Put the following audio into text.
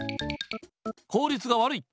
効率が悪い。